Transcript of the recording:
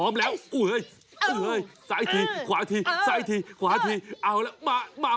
พอแล้วเข้ามา